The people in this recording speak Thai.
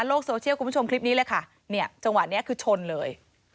โซเชียลคุณผู้ชมคลิปนี้เลยค่ะเนี่ยจังหวะนี้คือชนเลย